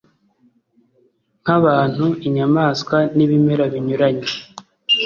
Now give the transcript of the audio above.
nk abantu inyamaswa n ibimera binyuranye